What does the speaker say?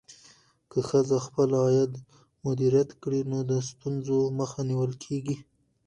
که ښځه خپل عاید مدیریت کړي، نو د ستونزو مخه نیول کېږي.